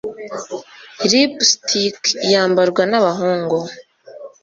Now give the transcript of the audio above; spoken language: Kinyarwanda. lipstick yambarwa nabahungu